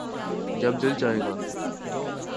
جب دل چاھے گا